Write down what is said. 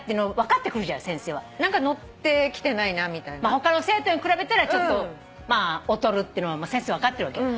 他の生徒に比べたらちょっとまあ劣るってのは先生分かってるわけよ。